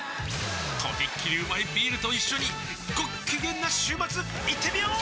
とびっきりうまいビールと一緒にごっきげんな週末いってみよー！